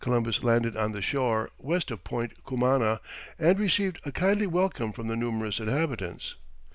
Columbus landed on the shore, west of Point Cumana, and received a kindly welcome from the numerous inhabitants.